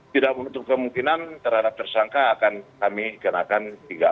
tidak menentu kemungkinan terhadap tersangka akan kami kenakan tiga ratus empat puluh